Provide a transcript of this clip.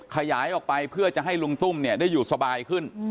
ขยายออกไปเพื่อจะให้ลุงตุ้มเนี่ยได้อยู่สบายขึ้น